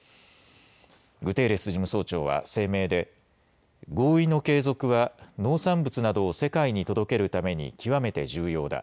グテーレス事務総長は声明で合意の継続は農産物などを世界に届けるために極めて重要だ。